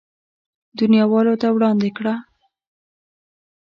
دنياوالو ته وړاندې کړه.